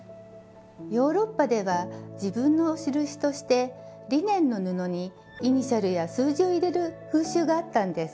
ヨーロッパでは自分の印としてリネンの布にイニシャルや数字を入れる風習があったんです。